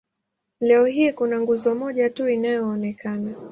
Leo hii kuna nguzo moja tu inayoonekana.